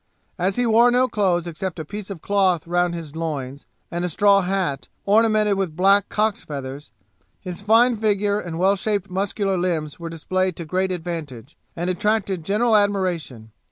As he wore no clothes except a piece of cloth round his loins, and a straw hat, ornamented with black cocks' feathers, his fine figure and well shaped muscular limbs were displayed to great advantage, and attracted general admiration.